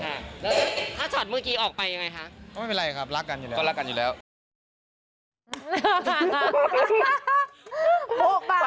แล้วถ้าชอตเมื่อกี้ออกไปยังไงคะ